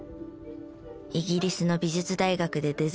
イギリスの美術大学でデザインを学び